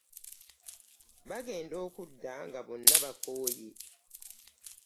Bagenda okudda nga bonna bakooye.